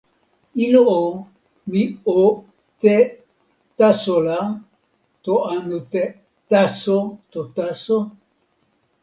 ilo o, mi o te "taso la" to anu te "taso" to taso?